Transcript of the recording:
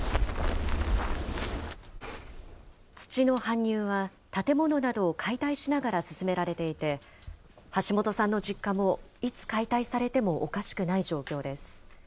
土の搬入は、建物などを解体しながら進められていて、橋本さんの実家もいつ解体されてもおかしくない状況です。